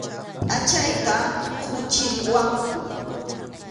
Pʼachayta quchiriwanku.